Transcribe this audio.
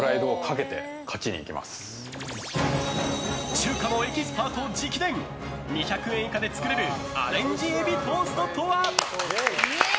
中華のエキスパート直伝２００円以下で作れるアレンジエビトーストとは？